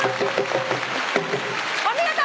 お見事！